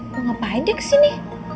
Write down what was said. mau ngapain dia kesini